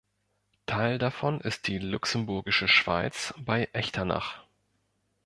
Teil davon ist die Luxemburgische Schweiz bei Echternach.